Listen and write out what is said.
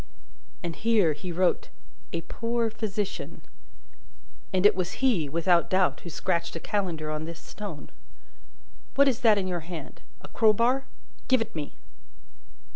"And here he wrote 'a poor physician.' And it was he, without doubt, who scratched a calendar on this stone. What is that in your hand? A crowbar? Give it me!"